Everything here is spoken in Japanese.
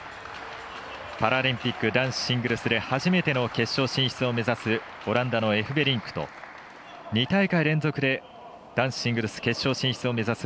パラリンピック男子シングルスで初めての決勝進出を目指すオランダのエフベリンクと２大会連続で男子シングルス決勝進出を目指す